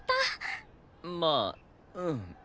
まあうん。